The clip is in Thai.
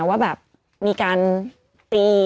ว่าแบบมีการตี